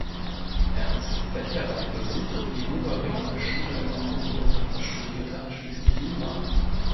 Ernst Becherer besuchte die Oberrealschule in Offenburg und studierte anschließend Jura.